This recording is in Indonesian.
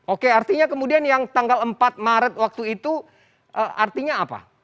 oke artinya kemudian yang tanggal empat maret waktu itu artinya apa